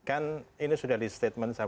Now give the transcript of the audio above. kan ini sudah di statement